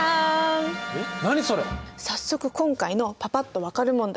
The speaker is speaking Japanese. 早速今回のパパっと分かる問題。